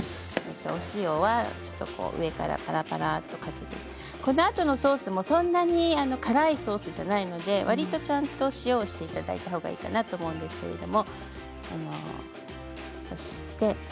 塩を上からパラパラとかけてそのあとのソースもそんなに辛いソースじゃないのでわりとちゃんとを塩をしていただいたほうがいいかなと思うんですけれども。